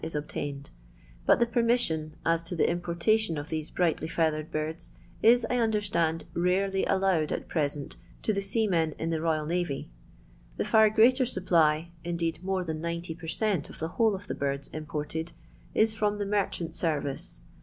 is ob bat the permission, as to the importation brightly feathered birds, is, I understand, illowed at present to the seamen in the kvy. The far greater supply, indeed more I per cent, of the whole of the birds im is from the merchant service.